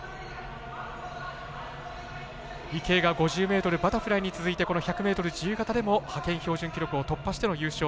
池江が５０ｍバタフライに続いてこの１００ｍ自由形でも派遣標準記録を突破しての優勝。